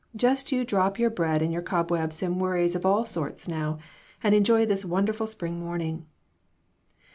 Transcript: Just you drop your bread and your cobwebs and worries of all sorts now, and enjoy this wonderful spring morning."